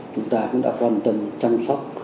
chúng ta cũng đã quan tâm chăm sóc